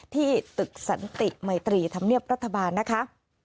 ที่ตึกสันติมัยตรีธรรมเนียบรัฐบาลนะคะ